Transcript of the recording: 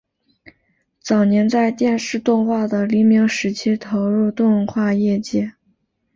早年在电视动画的黎明时期投入动画业界。